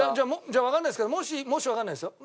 じゃあわかんないですけどもしわかんないですよ？